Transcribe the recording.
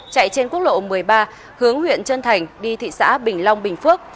chạy trên quốc lộ một mươi ba hướng huyện trân thành đi thị xã bình long bình phước